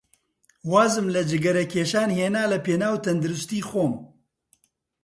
وازم لە جگەرەکێشان هێنا لەپێناو تەندروستیی خۆم.